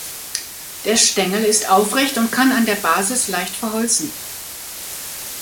Der Stängel ist aufrecht und kann an der Basis leicht verholzen.